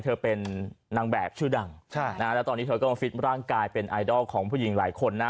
เธอเป็นนางแบบชื่อดังแล้วตอนนี้เธอก็ฟิตร่างกายเป็นไอดอลของผู้หญิงหลายคนนะ